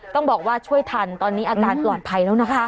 ต้องบอกว่าช่วยทันตอนนี้อาการปลอดภัยแล้วนะคะ